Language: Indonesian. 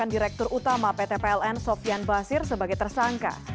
direktur utama pt pln sofian basir sebagai tersangka